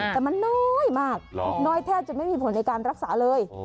แต่มันน้อยมากน้อยแทบจะไม่มีผลในการรักษาเลย